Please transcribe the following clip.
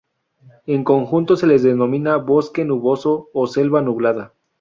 En conjunto se les denomina Bosque nuboso o selva nublada.